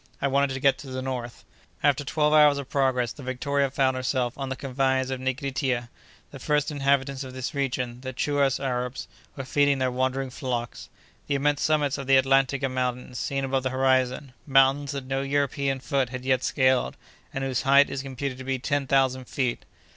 I wanted to get to the north." After twelve hours of progress, the Victoria found herself on the confines of Nigritia. The first inhabitants of this region, the Chouas Arabs, were feeding their wandering flocks. The immense summits of the Atlantika Mountains seen above the horizon—mountains that no European foot had yet scaled, and whose height is computed to be ten thousand feet!